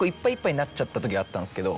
なっちゃったときがあったんですけど。